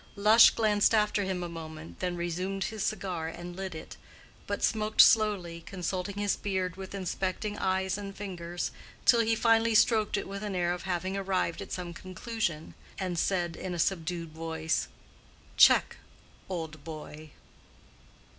Lush glanced after him a moment, then resumed his cigar and lit it, but smoked slowly, consulting his beard with inspecting eyes and fingers, till he finally stroked it with an air of having arrived at some conclusion, and said in a subdued voice, "Check, old boy!"